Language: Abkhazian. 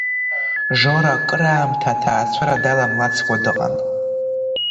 Жора акыраамҭа аҭаацәара даламлацкәа дыҟан.